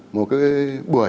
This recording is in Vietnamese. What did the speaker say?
một cái bài hỏi của bà hải